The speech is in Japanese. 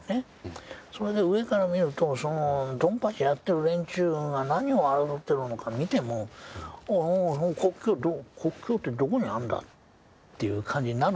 それで上から見るとドンパチやってる連中が何を争ってるのか見ても「国境ってどこにあるんだ？」っていう感じになるわけですよ。